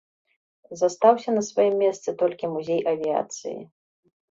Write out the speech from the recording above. Застаўся на сваім месцы толькі музей авіяцыі.